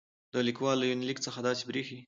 د ليکوال له يونليک څخه داسې برېښي